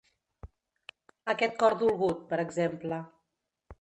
Aquest cor dolgut, per exemple.